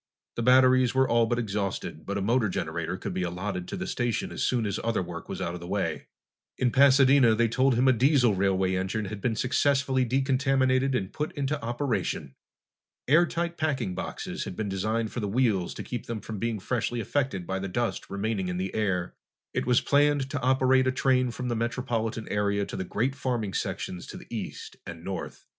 The batteries were all but exhausted, but a motor generator could be allotted to the station as soon as other work was out of the way. In Pasadena, they told him a diesel railway engine had been successfully decontaminated and put into operation. Airtight packing boxes had been designed for the wheels to keep them from being freshly affected by the dust remaining in the air. It was planned to operate a train from the metropolitan area to the great farming sections to the east and north.